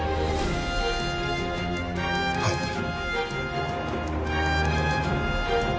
はい。